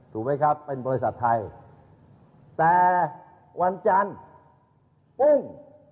ถูกไหมครับเป็นบริษัทไทยแต่วันจันทร์กุ้ง